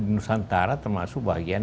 nusantara termasuk bagian